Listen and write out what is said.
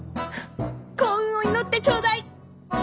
幸運を祈ってちょうだい！